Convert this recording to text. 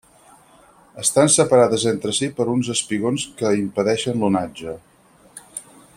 Estan separades entre si per uns espigons que impedeixen l'onatge.